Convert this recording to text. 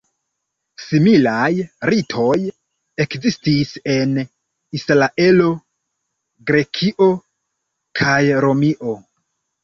Similaj ritoj ekzistis en Israelo, Grekio kaj Romio.